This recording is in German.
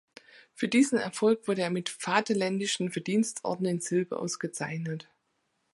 Für diesen Erfolg wurde er mit Vaterländischen Verdienstorden in Silber ausgezeichnet.